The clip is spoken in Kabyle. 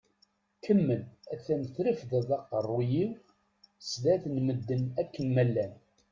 Kemm a-t-an trefdeḍ aqerruy-iw sdat n medden akken ma llan.